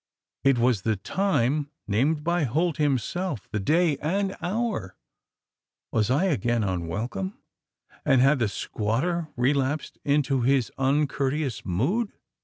It was the time named by Holt himself? The day and hour! Was I again unwelcome? and had the squatter relapsed into his uncourteous mood?"